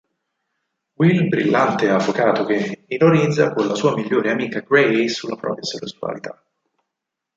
Will brillante avvocato gay ironizza con la sua migliore amica Grace sulla propria sessualità.